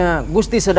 aku akan kesana